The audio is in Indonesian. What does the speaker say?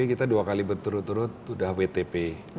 kita dua kali berturut turut sudah wtp